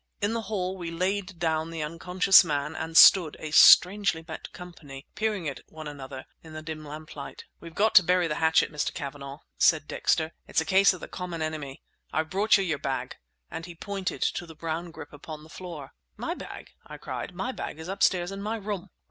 In the hall we laid down the unconscious man and stood, a strangely met company, peering at one another in the dim lamplight. "We've got to bury the hatchet, Mr. Cavanagh!" said Dexter. "It's a case of the common enemy. I've brought you your bag!" and he pointed to the brown grip upon the floor. "My bag!" I cried. "My bag is upstairs in my room."